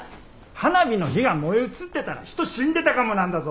花火の火が燃え移ってたら人死んでたかもなんだぞ！